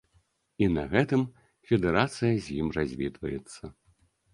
І на гэтым федэрацыя з ім развітаецца.